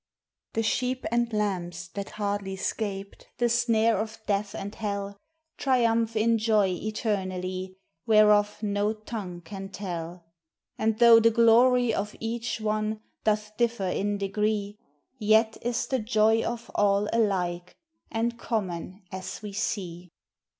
The sheep and lambs, that hardly 'scaped The snare of death and hell, Triumph in joy eternally, Whereof no tongue can tell; And though the glory of each one Doth differ in degree, Yet is the joy of all alike And common, as we see.